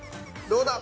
どうだ？